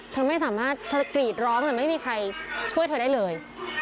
เธอไม่สามารถเธอจะกรีดร้องแต่ไม่มีใครช่วยเธอได้เลย